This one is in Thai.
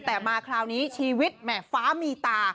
แต่มาคราวนี้ชีวิตแหม่ฟ้ามีตา